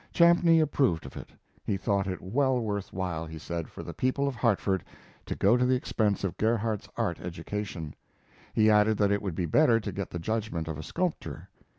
Champney approved of it. He thought it well worth while, he said, for the people of Hartford to go to the expense of Gerhardt's art education. He added that it would be better to get the judgment of a sculptor.